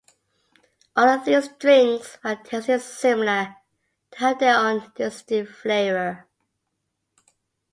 All of these drinks, while tasting similar, do have their own distinct flavour.